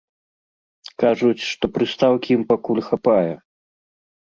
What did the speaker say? Кажуць, што прыстаўкі ім пакуль хапае.